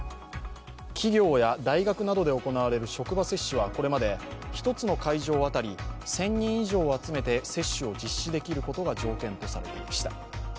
企業や大学などで行われる職場接種はこれまで１つの会場当たり１０００人以上集めて接種を実施できることが条件とされていました。